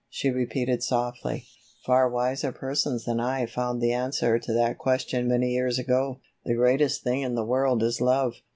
she repeated softly. "Far wiser persons than I found the answer to that question many years ago. The greatest thing in the world is love."